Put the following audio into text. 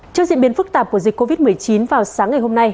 trước diễn biến phức tạp của dịch covid một mươi chín vào sáng ngày hôm nay